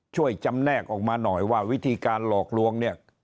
ช่วยจำแนกออกมาหน่อยว่าวิธีการหลอกลวงเนี่ย